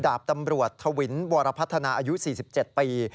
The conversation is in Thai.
ดาบตำรวจภูทรศวินทร์วรภัตนาอายุ๔๗ปี